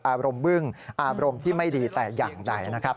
อารมณ์บึ้งอารมณ์ที่ไม่ดีแต่อย่างใดนะครับ